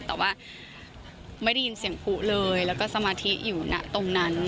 แต่ว่าไม่ได้ยินเสียงผู้เลยแล้วก็สมาธิอยู่ณตรงนั้น